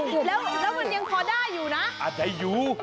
แล้วมันยังพอได้อยู่นะอาจจะอยู่